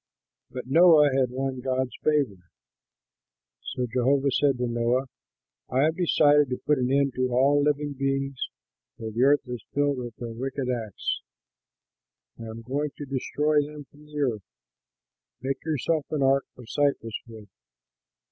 But Noah had won Jehovah's favor. So Jehovah said to Noah, "I have decided to put an end to all living beings, for the earth is filled with their wicked acts. I am going to destroy them from the earth. Make yourself an ark of cypress wood.